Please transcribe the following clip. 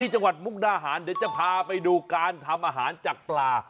จังหวัดมุกดาหารเดี๋ยวจะพาไปดูการทำอาหารจากปลา